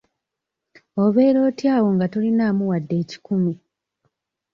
Obeera otya awo nga tolinaamu wadde ekikumi?